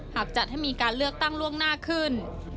หากจัดให้มีการเลือกตั้งล่วงหน้าขึ้น